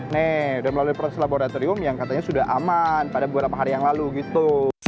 nih sudah melalui proses laboratorium yang katanya sudah aman pada beberapa hari yang lalu gitu